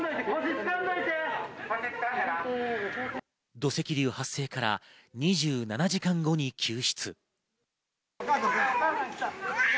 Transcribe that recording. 土石流発生から２７時間後に救出。